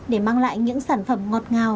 để mang lại những sản phẩm ngọt ngào